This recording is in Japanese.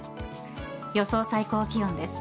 予想最高気温です。